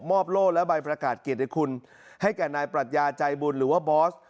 โล่และใบประกาศเกียรติคุณให้แก่นายปรัชญาใจบุญหรือว่าบอส